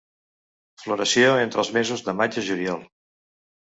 Floració entre els mesos de maig a juliol.